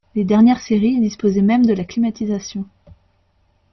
Les dernières séries disposaient même de la climatisation.